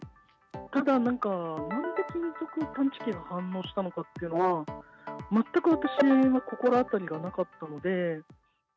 ただ、なんで金属探知機が反応したのかっていうのは、全く私は心当たりがなかったので。